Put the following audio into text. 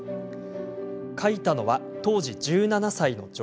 書いたのは、当時１７歳の女